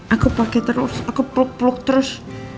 aku pake terus aku peluk peluk terus